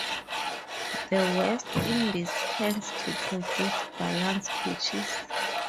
The West Indies tends to produce balanced pitches.